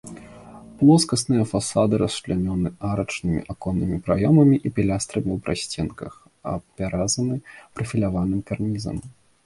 Плоскасныя фасады расчлянёны арачнымі аконнымі праёмамі і пілястрамі ў прасценках, апяразаны прафіляваным карнізам.